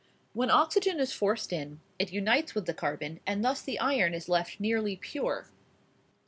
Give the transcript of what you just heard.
When oxygen is forced in, it unites with the carbon, and thus the iron is left nearly pure.